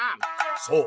「そう。